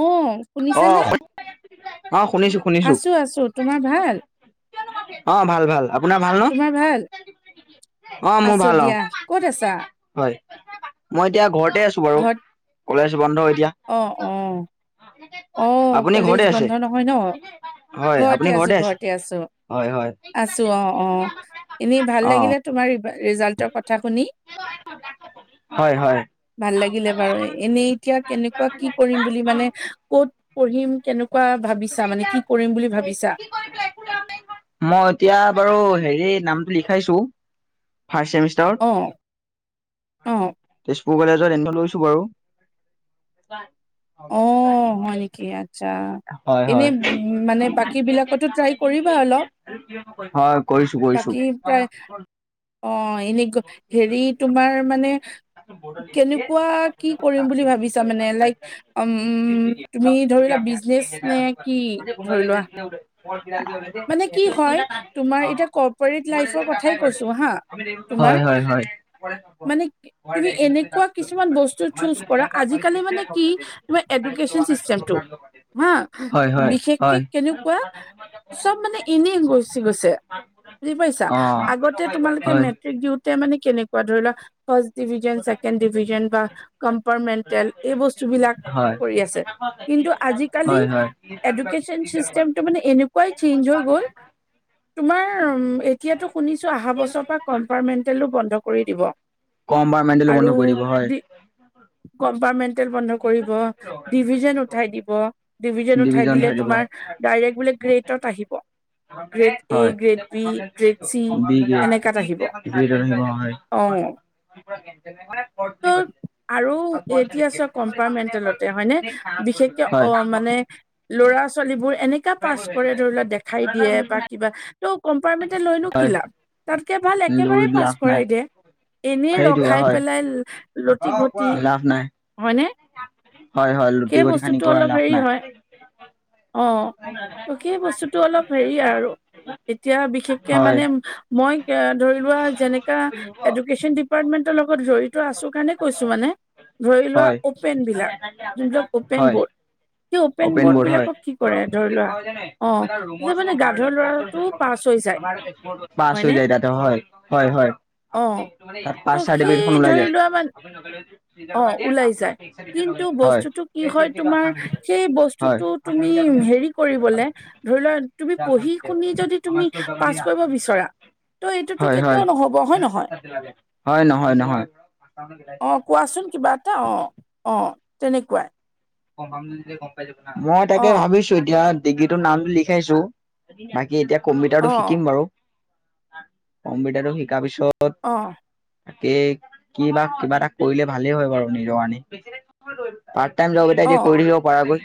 অ অ শুনিছানে অ শুনিছো শুনিছো আছো আছো তোমাৰ ভাল। অ ভাল ভাল আপোনাৰ ভাল ন। তোমাৰ ভাল? অ মোৰ আছো ভাল অ দিয়া কত আছ। হয় মই এতিয়া ঘৰতে আছো বাৰু কলেজ বন্ধ। এতিয়া অহ অ। অ আপুনি কলেজ ঘৰতে আছে বন্ধ নহয় ন হয় ঘৰতে আপুনি আছো আছে ঘৰতে আছো। হয় হয় আছো অ অ এনেই ভাল অ লাগিলে তোমাৰ। ৰিজাল্টৰ কথা শুনি। হয় হয় ভাল লাগিলে বাৰু এনেই এতিয়া কেনেকুৱা কি কৰিম বুলি মানে। ক'ত পঢ়িম কেনেকুৱা। ভাবিছা মানে কি কৰিম বুলি ভাবিছা? মই এতিয়া বাৰু। হেৰি নামটো লিখাইছো। ফাৰ্ষ্ট ছেমিষ্টাৰত। অহ। সুৰ কলেজত এনে লৈছো বাৰু। অ হয় নেকি আচ্ছা হয় এনে হয় মানে বাকী বিলাকতো ট্ৰাই কৰিবা অলপ হয় কৰিছো কৰিছো বাকী প্ৰায়। অ এনে হেৰি তোমাৰ মানে। কেনেকুৱা কি কৰিম বুলি ভাবিছা মানে লাইক। উম তুমি ধৰি লোৱা বিজনেচ নে কি ধৰি লোৱা। মানে কি হয় তোমাৰ এতিয়া কৰ্পৰেট লাইফৰ কথাই কাপাই প কৈছো হা আমি। তোমাৰ হয় হয় হয়। মানে অ হয়। তুমি এনেকুৱা কিছুমান বস্ত চোজ কৰা আজি কালি মানে কি তোমাৰ এডোকেচন। ছিষ্টেম টো হা বিশেষকে কেনেকুৱা। চব মানে এনেই গোছি গৈছে বুজি পাইছা আগতে তোমালোকে মেট্ৰিক। দিওতে মানে কেনেকোৱা ধৰি লোৱা ফ্ৰাষ্ট ডিজিটেল ছেকেণ্ড ডিজিটেল বা কম। পাৰ মেণ্টেল সেই বস্ত বিলাক হয়। কৰি আছে কিন্তু আজি কালি হয় হয়। এডোকেচন। ছিষ্টেম টো মানে এনেকুৱাই চেঞ্জ হৈ গ'ল। তোমাৰ এতিয়াতো শুনিছো অহা বছৰৰ পৰা কম্পাৰ্মেন্টেলো বন্ধ কৰি দিব। কম বাৰ মেণ্টেলো আৰু বন্ধ কৰিব হয়। দি গম। ডিপাৰ্টমেণ্টেল বন্ধ কৰিব ডিভিজন উঠাই দিব। ডিভিজন উঠাই দিলে তোমাৰ ডাইৰেক্ট বোলে গ্ৰেটত আহিব। Grade A, grade B, grade C এনেকাত আহিব। হয়। অ। [unintelligible] আৰু এতিয়া আছে কম্পাৰ্টমেন্টেলতে হয়নে বিশেষকে অ হয়, মানে ল'ৰা। ল'ৰা ছোৱালীবোৰ এনেকা। পাছ কৰে ধৰি লোৱা দেখাই দিয়ে বা কিবা ত' কম্পাৰ্টমেন্টেল লৈনো কি হয়, লাভ তাত। কে ভাল একেবাৰে লৈ পাছ লাভ নাই। কৰাই দে এনেই সেইটোৱে ৰখাই হয়, পেলাই। লতি ঘতি লাভ নাই। হয়নে। হয়, হয়, সেই লুটি-গতি খানি বস্তুটো কৰাই অলপ লাভ হেৰি নাই, হয়। অ ত সেই বস্তুটো অলপ হেৰি আৰু। এতিয়া বিশেষকে হয়, মানে মই ধৰি লোৱা যেনেকা এডুকেশন। ডিপাৰ্টমেণ্টৰ লগত জড়িত আছো কাৰণে কৈছো মানে ধৰি লোৱা হয়। অপেন বিলাক যোনবিলাক অপেন বৰ্ড হয়। সেই অপেন বৰ্ড হয়। বিলাকক কি কৰে ধৰক এইটো ধৰি লোৱা কেনেকুৱা হয় জানে অ মই তাৰ ৰুমৰ যে চুমৰ মানে ভাড়া গাধৰ লৈ লৰাটো পাছ হৈ যায় পাছ হৈ হয়নে যায় ততে হয় হয় হয় অ পাছ ত' সেই চাৰ্টিফিকেটখন [inaudible] ধৰি লোৱা মান [unintelligible] অ ওলাই যায় কিন্তু হয় বস্তুতটো কি হয় তোমাৰ সেই হয় বস্তুটো তুমি হেৰি কৰিবলে ধৰিলোৱা তুমি পঢ়ি শুনি যদি তুমি পাছ কৰিব বিচৰা ত এইটোতো হয় কেতিয়াও হয় নহব হয় নহয় হয় নহয় নহয়। অ কোৱা চোন কিবা এটা অ অ তেনেকুৱাই গ পাম গম পাই যাব মই অ তাকে ভাবিছো এতিয়া ডিগ্ৰীটোৰ নামটো লিখাইছো বাকী এতিয়া কম্পিউটাৰটো অ শিকিম বাৰু কম্পিউটাৰটো শিকাৰ পিচত অহ তাকেই কি বা কিবা এটা কৰিলে ভালেই হয় বাৰু নিজৰ কাৰণে পাৰ্ট টাইম জব কৰি অ থাকিব পৰা গৈ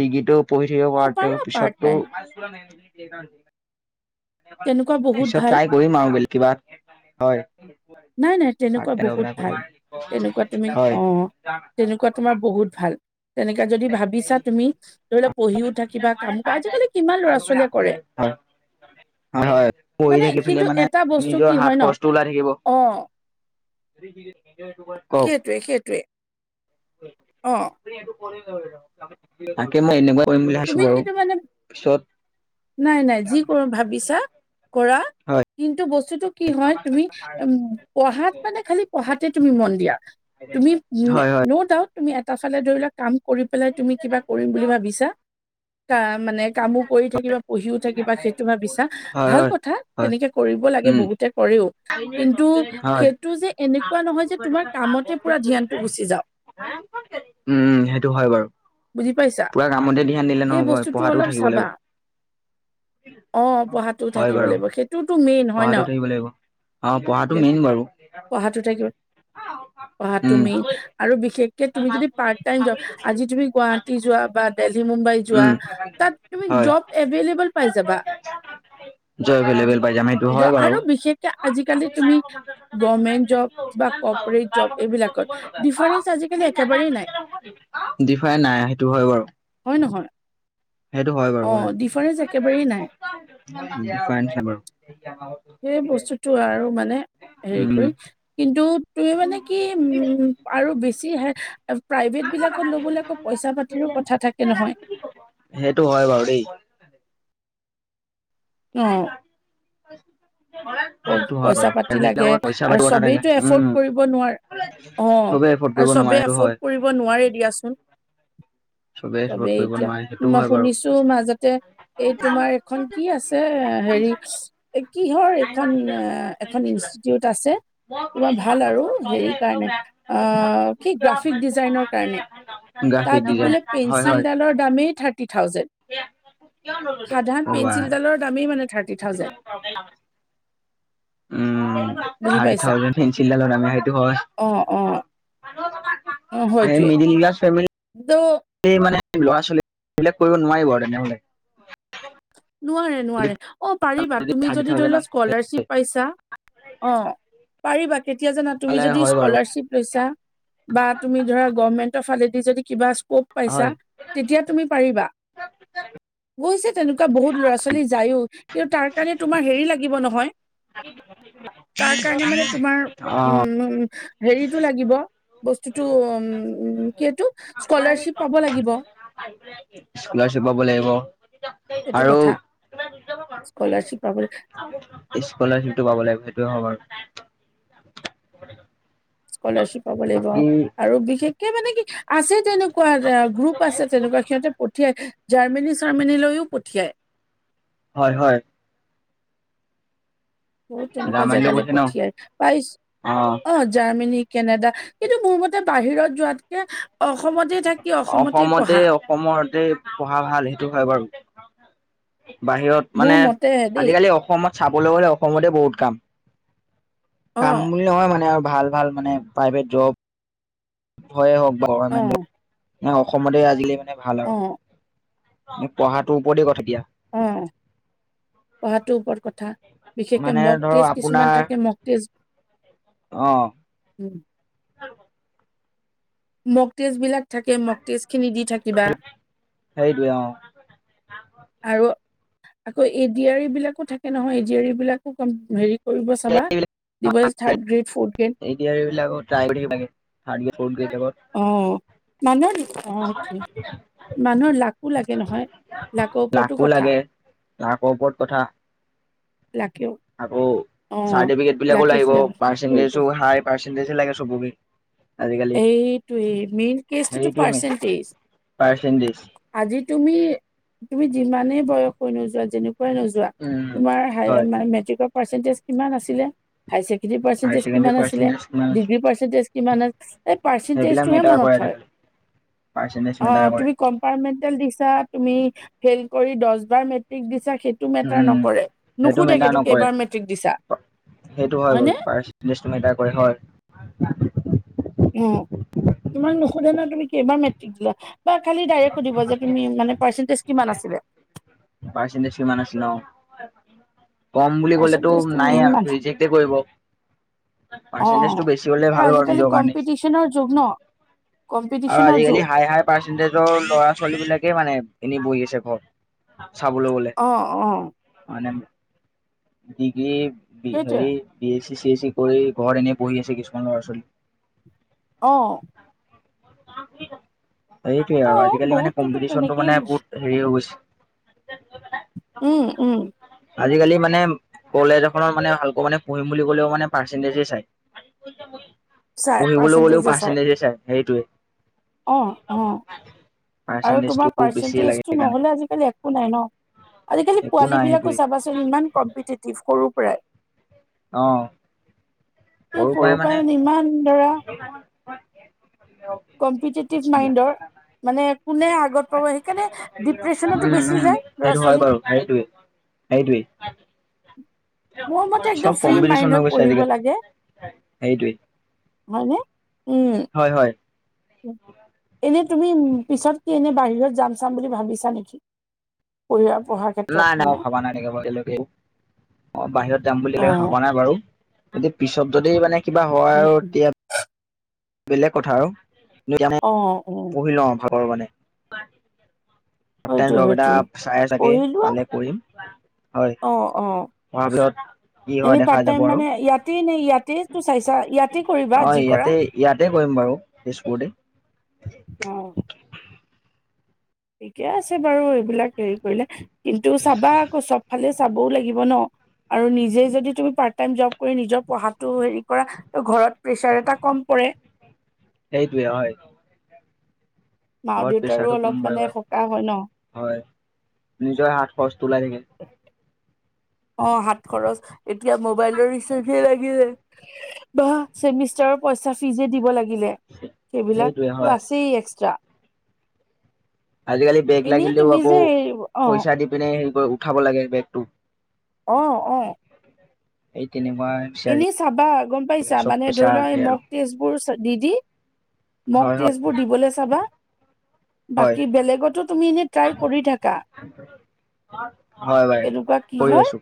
ডিগ্ৰীটো পঢ়ি থাকিব অ পৰাটো পাৰা পাৰ্ট পিছতো টাইম [unintelligible] তেনেকুৱা বহুত পিছত ভাল ট্ৰাই কৰিম আৰু বলেগ কিবা হয় নাই-নাই পাৰ্ট তেনেকুৱা টাইম জব বহুত এটা কৰিম। ভাল তেনেকুৱা তুমি হয়। হয়। অ তেনেকুৱা তোমাৰ বহুত ভাল তেনেকে যদি ভাবিছা তুমি ধৰি লোৱা পঢ়িও থাকিবা কাম কাজ আজিকালি কিমান ল'ৰা-ছোৱালীয়ে কৰে হয়-হয়-হয় পঢ়ি মানে থাকি পেলে কিন্তু মানে নিজৰ হাত খৰচটো ওলাই থাকিব অঁ [inaudible] কওক? সেইটোৱেই-সেইটোৱেই। তাকে মই এনেকুৱা কৰিম বুলি ভাবিছো বাৰু পিছত নাই-নাই যি কৰোঁ ভাবিছা কৰা হয় কিন্তু বস্তুটো কি হয় তুমি উম পঢ়াত মানে খালি পঢ়াতে তুমি মন দিয়া তুমি হয় হয়। ন ডাউট তুমি এটা ফালে ধৰি লোৱা কাম কৰি পেলাই তুমি কিবা কৰিম বুলি ভাবিছা ক মানে কামো কৰি থাকিবা পঢ়িও থাকিবা সেইটো ভাবিছা হয় ভাল হয় কথা হয় তেনেকে কৰিব লাগে উম বহুতে কৰেও কিন্তু হয়। সেইটো যে এনেকুৱা নহয় যে তোমাৰ কামতে পুৰা ধ্যানটো গুচি যাওক উম সেইটো হয় বাৰু বুজি পাইছা পুৰা কামতে দি ধ্যান দিলে সেই নহ'ব বস্তুটো পঢ়াতো অলপ থাকিব চাবা লাগিব। অ পঢ়াটো হয় থাকিব বাৰু লাগিব সেইটোতো মেইন হয় ন? পঢ়াটো থাকিব লাগিব অ পঢ়াটো মেইন বাৰু। পঢ়াটো থাকিব পঢ়াটো উম মেইন আৰু বিশেষ কে তুমি যদি পাৰ্ট টাইম যা আজি তুমি গুৱাহাটী যোৱা বা দেলহি মুম্বাই যোৱা উম তাত তুমি হয় জব এভেলেভল পাই যাবা। হয় [unintelligible] পাই যাম সেইটো বাৰু আৰু বিশেষকে আজিকালি তুমি গভমেন্ট জব বা কপ ৰেট জব এইবিলাকত ডিফাৰেণ্ট ডিফাৰেণ্ট নাই সেইটো হয় বাৰু। হয় নহয় সেইটো হয় বাৰু অ হয় ডিফাৰেন্ঞ্চ একেবাৰেই নাই [unintelligible] সেই বস্তুটো আৰু মানে হেৰি উম কৰি কিন্তু তুমি মানে কি উম আৰু বেছি হে প্ৰাইভেটবিলাকত ল'বলৈ আকৌ পইচা পাতিৰো কথা থাকে নহয় [inaudible] সেইটো হয় বাৰু দেই অ'। হয়। সেইটো বাৰু পইচা-পাতি প্ৰাইভেট লাগে, লগত পইচা পাতি আৰু কথা থাকে চবেইতো এফৰ্ড উম কৰিব নোৱাৰে। অ' চবে এফৰ্ড কৰিব আৰু নোৱাৰে চবে সেইটো হয় এফৰ্ড কৰিব নোৱাৰে দিয়াচোন। চবেই। চবে এতিয়া, মই শুনিছো মাজতে, এই তোমাৰ এখন কি আছে হেৰি! কিহৰ এইখন, এ এখন ইনষ্টিটিউট আছে তোমাৰ ভাল আৰু। হেৰি কাৰণে কাম এটা আ কৰিলি নহয়, কি কিয় গ্ৰাফিক বলতো ডিজাইনৰ কাৰণে গ্ৰাফিক তাত ডিজাইন বোলে হয় হয় পেঞ্চিলডালৰ দামেই থাৰ্টি থাউজেণ্ড। সাধাৰণ অ বা পেঞ্চিলডালৰ দামেই মানে থাৰ্টি থাউজেণ্ড। উম বুজি থাৰ্টি পাইছা থাউজেণ্ড পেঞ্চিলডালৰ দামেই, সেইটো অ অ হয়। অ হয়টোৱে মিডিল ক্লাছ ফেমেলি ত এই মানে ল'ৰা-ছোৱালী, এইবিলাক কৰিব নোৱাৰিব আৰু তেনেহ'লে। নোৱাৰে যদি নোৱাৰে। অ' পাৰিবা, তুমি থাৰ্টি যদি ধৰি থাউজেণ্ড লোৱা হয় তেতিয়াহ'লে স্কলাৰশ্বিপ পাইছা! অ' পাৰিবা। তেতিয়া জানা, তুমি যদি হয় বাৰু স্কলাৰশ্বিপ লৈছা! বা তুমি ধৰা গভৰ্মেন লেদি যদি কিবা স্কোপ পাইছা, হয় তেতিয়া তুমি পাৰিবা। তেনেকুৱা বহুত ল'ৰা-ছোৱালী যায়ও, কিন্তু তাৰ কাৰণে তোমাৰ হেৰি লাগিব নহয়! তাৰ কাৰণে মানে তোমাৰ, অ উম। হেৰিটো লাগিব, বস্তুটো উ কি এইটো, স্কলাৰশ্বিপ পাব লাগিব! স্কলাৰশ্বিপ পাব লাগিব! সেইটো কথা আৰু স্কলাৰশ্বিপটো পাব স্কলাৰশ্বিপ পাব লাগিব সেইটোৱে হয় বাৰু। [unintelligible] স্কলাৰশ্বিপ পাব লাগিব, বাকী আৰু বিশেষকে মানে কি, আছে। তেনেকুৱা গ্ৰুপ আছে তেনেকুৱা, সিহঁতে পঠিয়ায়। জাৰ্মানী চাৰমিনিলৈও পঠিয়ায়। হয় হয়। বহুত তেনেকুৱা ৰামানন্দ জেগালৈ কৈছে ন পঠিয়ায়। পাইছোঁ অ' জাৰমানি কেনেদা, কিন্তু মোৰ মতে বাহিৰত যোৱাতকে অস অসমতে, অসমতে পঢ়া ভাল সেইটো হয় বাৰু। বাহিৰত মোৰ মানে, মতেহে দেই আজিকালি অসমত চাবলৈ গ'লে অসমতে বহুত কাম। অ কাম বুলি নহয় মানে, আৰু ভাল ভাল মানে প্ৰাইভেট জব। [unintelligible] হওক আৰু অ [unintelligible] অসমতে আজিকালি মানে ভাল অ আৰু। মোক পঢ়াটো ওপৰতে কথা এতিয়া। অ' পঢ়াটোৰ ওপৰত কথা। বিশেষকে মানে ধৰক মকটেষ্ট আপোনাৰ কিছুমান থাকে, মকটেষ্ট অ'। মকটেষ্টবিলাক থাকে, মকটেষ্ট সেইটোৱে অ'। আৰু আকৌ এডিয়াৰীবিলাকো থাকে নহয়, এডিয়াৰীবিলাকো কম হেৰি কৰিব চাবা! দিব [unintelligible] থাৰ্ড ট্ৰাই গ্ৰেড ফৰ্থ কৰি গ্ৰেড থাকিব লাগে, থাৰ্ড গ্ৰেড, ফৰ্থ গ্ৰেডবিলাকৰ অ'। মানুহৰ মানুহৰ লাকো লাগে নহয়! লাকৰ ওপৰতো কথা ৰ ওপৰত কথা। লাকেও আকৌ অ চাৰ্টিফিকেটবিলাকো লাকি লাগিব, ফ্লেভাৰ কৰিব পাৰ্চেন্টেজো হাই, পাৰ্চেন্টেজ লাগে চবকে। আজিকালি এইটোৱেই, মেইন কেচটোতো হেৰিটোৱে মেইন পাৰ্চেণ্টেজ। পাৰ্চেন্টেজ আজি তুমি তুমি যিমানে বয়স হৈ নোযোৱা যেনেকুৱাই নোযোৱা উম তোমাৰ হ হয় মানে মেট্ৰিকৰ পাৰ্চেন্টেজ কিমান আছিলে? High secondary higher percentage secondary কিমান আছিলে, পাৰ্চেন্টেজ কিমান আছে ডিগ্ৰী পাৰ্চেন্টেজ কিমান আছ এ সেইবিলাক পাৰচেণ্টেজটোহে মেটাৰ মনত কৰে থয়। আজিকালি পাৰ্চেন্টেজ মেটাৰ অঁ কৰে তুমি কম্পাৰমেণ্ট দিছা, তুমি ফেইল কৰি দচ বাৰ মেট্ৰিক দিছা সেইটো মেটাৰ উম নকৰে, সেইটো নোশোধেই মেটাৰ নকৰে কেইবাৰ মেট্ৰিক দিছা। সেইটো হয় হয়নে বাৰু পাৰচেণ্টেজ মেটাৰ কৰে হয়। উম, তোমাক নোশোধে ন তুমি কেইবাৰ মেট্ৰিক দিয়া। বা খালি ডাইৰেক্ট সুধিব যে তুমি মানে পাৰ্চেণ্টেজ কিমান আছিল? পাৰ্চেণ্টেজ কিমান আছিল অ? কম বুলি কলেটো পাৰ্চেন্টেজটো নাই মেইন মানে আৰু ৰিজেক্টে কৰিব। অ পাৰ্চেণ্টেজটো বেছি হলে আৰু ভাল বাৰু আজিকালি নিজৰ কাৰনে। কম্পিটিচনৰ যুগ ন আৰু কম্পিটিচনৰ আজিকালি যুগ হাই হাই পাৰ্চেন্টেজৰ ল'ৰা- ছোৱালী বিলাকে মানে এনেই বহি আছে ঘৰত। চাবলৈ গলে অ অ মানে দিঘে বি এ সেইটোৱে হেৰি B S C C S C কৰি ঘৰত এনেই পঢ়ি আছে কিছুমান ল'ৰা-ছোৱালী অঁ অঁ তোমালোকৰ কাম ঠিক আছে। সেইটোৱে অ আৰু আজিকালি মানে বহুততো কম্পিটিচনটো তেনেকেই মানে বহুত হেৰি হৈ গৈছে যাৰ যাৰ জাগা উম উম। আজিকালি মানে কলেজ এখনৰ মানে ভালকৈ মানে পঢ়িম বুলি ক'লেও মানে পাৰ্চেন্টেজে চাই। চাই পঢ়িবলৈ গ'লেও পাৰ্চেণ্টেজে চাই পাৰ্চেন্টেজে সেইটোৱে অঁ অঁ আৰু পাৰ্চেন্টেজটো তোমাৰ বেছিয়ে লাগে পাৰ্চেন্টেজটো সেইকাৰণে নহ'লে আজিকালি একো নাই ন। আজিকালি একো পোৱালী নাই বিলাকো সেইটোৱে চাবাচোন ইমান কম্পিটিটিভ সৰুৰ অ পৰাই সৰুৰ পৰাই মানে ইমান দৰা [unintelligible] কম্পিটিটিভ মাইণ্ডৰ। মানে কোনে আগত পাব সেইকাৰণে ডিপ্ৰেছনতো উম বেছি যায় ল'ৰা-ছোৱালী। সেইটোৱেই মোৰ মতে একদম ফ্ৰী মাইণ্ড হৈ গৈছে পঢ়িব আজিকালি লাগে। সেইটোৱে হয়নে উম হয় হয় হয় এনে তুমি উম পিছত কি এনে বাহিৰত যাম-চাম বুলি ভাবিছা নেকি কৰোবাত নাই নাই মই ভবা নাই তেনেকে বাৰু এতিয়ালৈকেও, অ বাহিৰত যাম বুলি অ ভবা নাই বাৰু যদি পিছত যদি মানে কিবা হয় উম আৰু উম তেতিয়া বেলেগ কথা আৰু কিন্তু এতিয়া অ অ মানে পঢ়ি লওঁ ভাগৰৱানে পাৰ্ট সেইটোৱে টাইম জব এটা সেইটোৱে চাই এ চাগে পঢ়ি লোৱা পালে কৰিম। হয় অ অ হোৱাৰ পিছত কি হয় এনে দেখা পাৰ্ট যাব টাইম আৰু মানে ইয়াতেই নে ইয়াতেই তো চাইছা ইয়াতেই কৰিবা যি কৰা। তাতে কৰিম বাৰু তেজপুৰতে অঁ। ঠিকে আছে বাৰু এইবিলাক হেৰি কৰিলে আহ্ কিন্তু চাবা আকৌ চব ফালে চাবও লাগিব ন আৰু নিজেই যদি তুমি পাৰ্ট টাইম জব কৰি নিজৰ পঢ়াটো হেৰি আহ্ কৰা ঘৰত প্ৰেচাৰ এটা কম পৰে। [inaudible] সেইটোৱে হয়। মা ঘৰত দেউতাৰো প্ৰেচাৰটো অলপ কম পৰে মানে বাৰু, সকাহ হয় ন হয় নিজৰ হাত খৰচটো ওলাই থাকে। [inaudible] অ, হাত খৰচ এতিয়া মোবাইলৰ ৰিচাৰ্জে লাগি যায়, আহ বা ছেমিষ্টাৰৰ পঢ়া এক্সট্ৰা ফিজে দিব লাগিলে সেইবিলাক সেইটোৱে ত' হয় আছেই এক্সট্ৰা আজিকালি বেক এনেই লাগিলেওঁ তুমি আকৌ যে অ পইচা দি পিনে হেৰি কৰি উঠাব লাগে বেকটো। অঁ অ এই তেনেকুৱা বিচাৰি এনে চাবা গম পাইছা চব মানে পইচা ধৰি লোৱা এই আহে আৰু মক টেষ্টবোৰচ তো ডি জি মক হয় টেষ্টবোৰ দিবলৈ চাবা হয় বাকী বেলেগতো তুমি এনে ট্ৰাই কৰি থাকা। হয় হয় বাই এনেকুৱা কি কৰি হয় আছো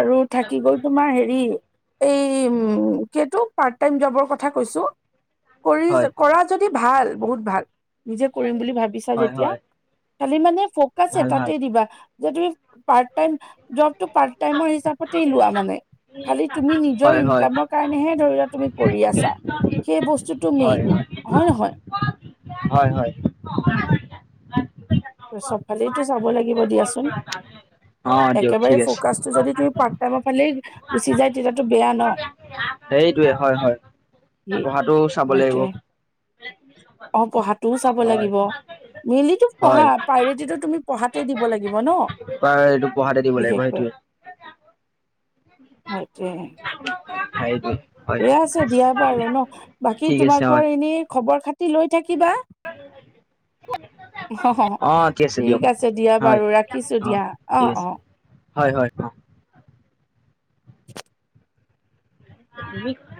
আৰু থাকি গল তোমাৰ হেৰি এই এ উম উ উ এইটো পাৰ্ট টাইম জবৰ কথা কৈছো। কৰি হয় য কৰা যদি ভাল বহুত ভাল নিজে কৰিম বুলি ভাবিছা হয় যেতিয়া হয় খালি মানে ফকাচ ভাল ভাল এটাতে দিবা যে তুমি পাৰ্ট টাইম আহ জবটো পাৰ্ট টাইমৰ হিচাপতে লোৱা মানে খালি তুমি নিজৰ হয় ইনকামৰ কাৰণেহে ধৰিলোৱা তুমি কৰি আছা। সেই বস্তুটো মেইন হয় নহয়। হয় হয়। অঁ হয় হয় দিয়া। চবফালেইতো চাব লাগিব দিয়াচোন, অ দিয়ক ঠিক একেবাৰে আছে ফকাচটো যদি তুমি পাৰ কবাৰ ফালে গুচি যায় তেতিয়াতো বেয়া ন। সেইটোৱেই হয় হয় সি পঢ়াটো চাব লাগিব। সেইটোৱে অ পঢ়াটোও চাব হয় লাগিব, ডেইলি ত হয় পঢ়া প্ৰাইভেটিতো তুমি পঢ়াতে দিব লাগিব ন। প্ৰায় এইটো পঢ়াতে দিব লাগিব সেইটোৱেই। মতে হয় দে। এয়া আছোঁ দিয়া বাৰু ন বাকী ঠিক আছে হয়, তোমালোকৰ এনেই খবৰ খাত তি লৈ থাকিবা। অ ঠিক আছে দিয়া হয়, বাৰু ৰাখিছোঁ দিয়া অ ঠিক আছে, অ। হয় হ'য় অ। তুমি